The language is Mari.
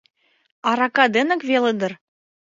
Арака денак веле дыр.